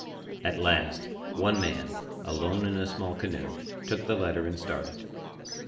At last, one man, alone in a small canoe, took the letter and started.